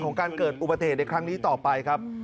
ของการเกิดอุบัติเหตุในครั้งนี้ต่อไปครับ